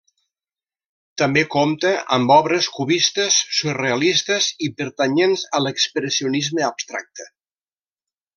També compta amb obres cubistes, surrealistes i pertanyents a l'expressionisme abstracte.